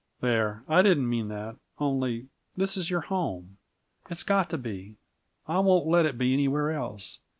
"There, I didn't mean that only this is your home. It's got to be; I won't let it be anywhere else.